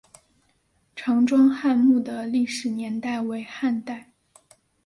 常庄汉墓的历史年代为汉代。